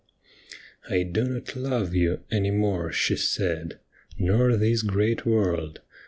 ' I do not love you any more,' she said, ' Nor this great world.